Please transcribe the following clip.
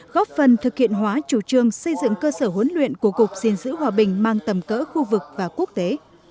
góp phần thực hiện hóa chủ trương xây dựng cơ sở huấn luyện của cục diện giữ hòa bình mang tầm cỡ khu vực và quốc tế